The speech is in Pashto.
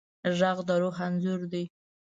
غږ د روح انځور دی